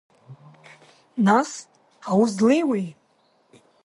Нас, аус злеиуеи?!